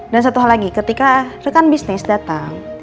dan satu hal lagi ketika rekan bisnis datang